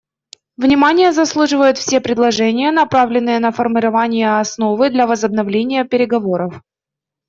Внимания заслуживают все предложения, направленные на формирование основы для возобновления переговоров.